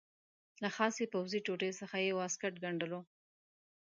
له خاصې پوځي ټوټې څخه یې واسکټ ګنډلو.